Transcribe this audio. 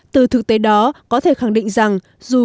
từ thực tế đó có thể khẳng định rằng